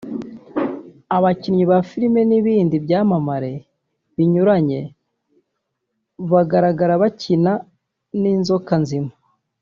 abakinnyi ba filime n’ibindi byamamare binyuranye bagaragara bakina n’inzoka nzima